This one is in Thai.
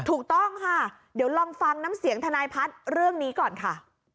ถูกต้องค่ะเดี๋ยวลองฟังน้ำเสียงทนายพัฒน์เรื่องนี้ก่อนค่ะ